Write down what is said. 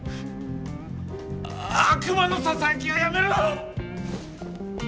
悪魔のささやきはやめろ！